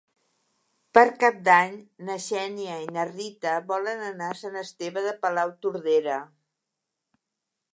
Per Cap d'Any na Xènia i na Rita volen anar a Sant Esteve de Palautordera.